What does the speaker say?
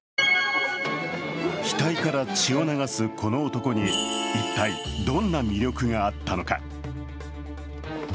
額から血を流すこの男に一体どんな魅力があったのか。